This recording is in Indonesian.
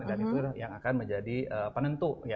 dan itu yang akan menjadi penentu ya